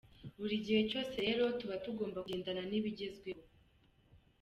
Buri gihe cyose rero tuba tugomba kugendana n’ibigezweho.